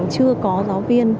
chưa có giáo viên